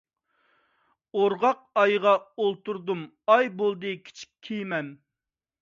ئورغاق ئايغا ئولتۇردۇم، ئاي بولدى كىچىك كېمەم.